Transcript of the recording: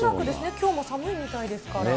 きょうも寒いみたいですから。